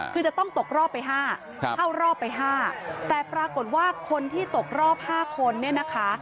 คือจะต้องตกรอบไป๕เข้ารอบไป๕แต่ปรากฏว่าคนที่ตกรอบ๕คนเนี่ยนะคะ